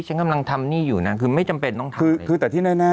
ฉันกำลังทำหนี้อยู่นะคือไม่จำเป็นต้องทำคือคือแต่ที่แน่แน่